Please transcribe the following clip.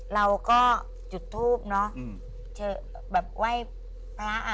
เราก็จุดธูปนะว่ายพระ